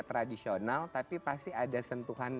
tradisional tapi pasti ada sentuhan